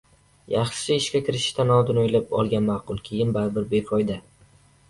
Yaxshisi, ishga kirishishdan oldin o‘ylab olgan ma’qul, keyin baribir befoyda.